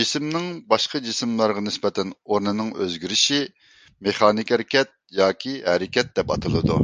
جىسىمنىڭ باشقا جىسىملارغا نىسبەتەن ئورنىنىڭ ئۆزگىرىشى مېخانىك ھەرىكەت ياكى ھەرىكەت دەپ ئاتىلىدۇ.